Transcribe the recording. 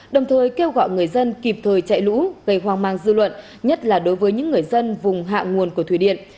đồng thời kêu gọi người dân kịp thời chạy lũ gây hoang mang dư luận nhất là đối với những người dân vùng hạ nguồn của thủy điện